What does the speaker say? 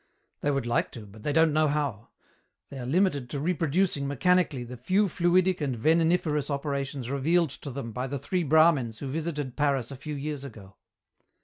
"They would like to, but they don't know how. They are limited to reproducing, mechanically, the few fluidic and veniniferous operations revealed to them by the three brahmins who visited Paris a few years ago."